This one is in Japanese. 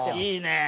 いいね。